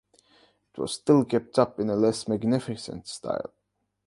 It was still kept up in a less magnificent style.